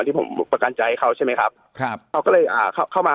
ที่ผมบุคประกันใจเขาใช่ไหมครับเขาก็เลยเข้ามา